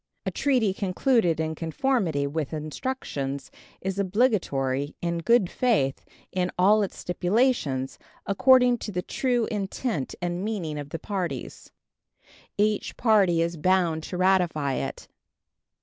A treaty concluded in conformity with instructions is obligatory, in good faith, in all its stipulations, according to the true intent and meaning of the parties. Each party is bound to ratify it.